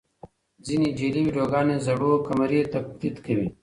ځینې جعلي ویډیوګانې زړو کمرې تقلید کوي.